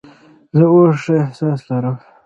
زه اوس ښه احساس لرم.